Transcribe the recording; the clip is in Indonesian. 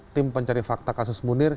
tim pencari fakta kasus munir